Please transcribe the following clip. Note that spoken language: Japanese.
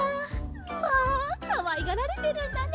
まあかわいがられてるんだね。